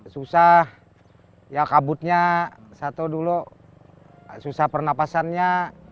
susah ya kabutnya satu dulu susah pernapasannya